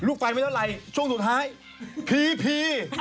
ลูกไฟไม่ได้อะไรช่วงสุดท้ายพี